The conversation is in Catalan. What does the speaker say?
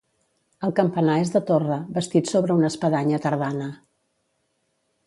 El campanar és de torre, bastit sobre una espadanya tardana.